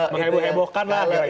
mengheboh hebohkan lah kira kira